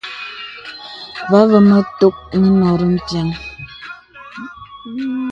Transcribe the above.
Vὰ àvə mə tòk mə nòrí mpiàŋ.